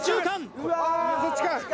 うわーそっちか。